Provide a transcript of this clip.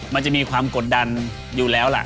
มันจะมีความกดดันอยู่แล้วล่ะ